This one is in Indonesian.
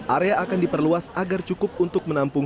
area akan diperluas agar cukup untuk menampung